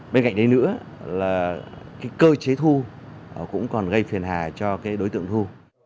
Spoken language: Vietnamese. bên cạnh đấy nữa là cơ chế thu cũng còn gây phiền hà cho cái đối tượng thu